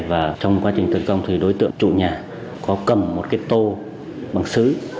và trong quá trình tấn công thì đối tượng trụ nhà có cầm một cái tô bằng sứ